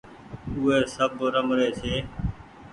او وي سب رمري ڇي